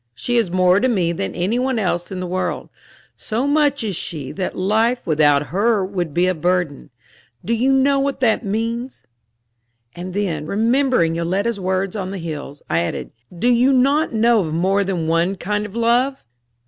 She is more to me than any one else in the world; so much is she that life without her would be a burden. Do you not know what that means?" And then, remembering Yoletta's words on the hills, I added: "Do you not know of more than one kind of love?"